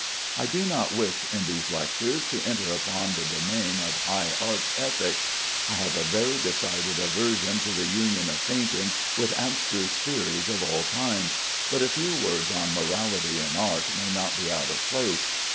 I do not wish in these lectures to enter upon the domain of high art ethics; I have a very decided aversion to the union of painting with abstruse theories of all kinds, but a few words on morality in art may not be out of place.